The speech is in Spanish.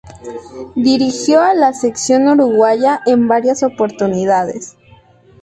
Dirigió a la selección uruguaya en varias oportunidades.